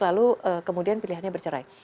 lalu kemudian pilihannya bercerai